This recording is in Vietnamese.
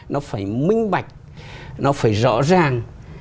nó phải minh bạch nó phải rõ ràng